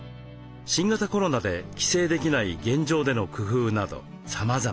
新型コロナで帰省できない現状での工夫などさまざま。